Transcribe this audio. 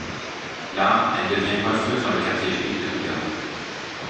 Là, elle devient coiffeuse dans le quartier juif de New York.